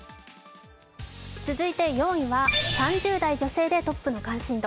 続いて４位は３０代女性でトップの関心度。